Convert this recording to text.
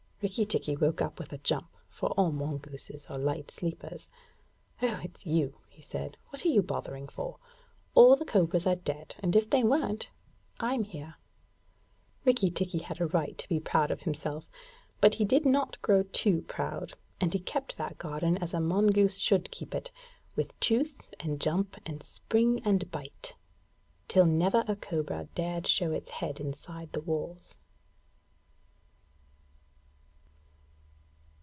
Rikki tikki woke up with a jump, for all the mongooses are light sleepers. 'Oh, it's you,' said he. 'What are you bothering for? All the cobras are dead; and if they weren't, I'm here.' Rikki tikki had a right to be proud of himself; but he did not grow too proud, and he kept that garden as a mongoose should keep it, with tooth and jump and spring and bite, till never a cobra dared show its head inside the walls.